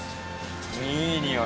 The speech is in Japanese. いい匂い。